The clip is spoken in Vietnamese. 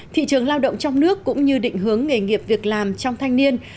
thị trường lao động trong nước cũng như định hướng nghề nghiệp việc làm trong thanh niên